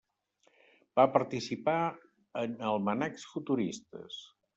Va participar en almanacs futuristes.